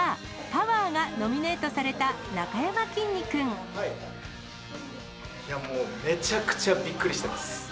パワー！がノミネートいやもう、めちゃくちゃびっくりしてます。